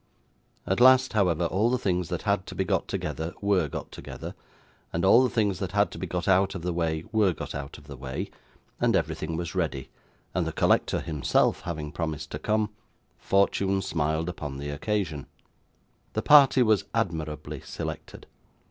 At last, however, all the things that had to be got together were got together, and all the things that had to be got out of the way were got out of the way, and everything was ready, and the collector himself having promised to come, fortune smiled upon the occasion. The party was admirably selected.